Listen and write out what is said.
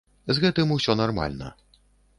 З гэтым усё нармальна.